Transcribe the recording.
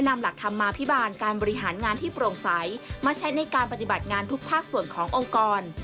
มาใช้ในการปฏิบัติงานทุกภาคส่วนขององค์กร